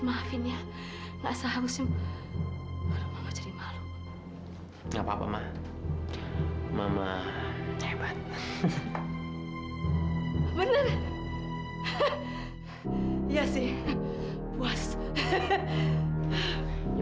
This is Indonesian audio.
maafin ya enggak usah hausin jadi malu enggak papa mama mama hebat bener ya sih puas ini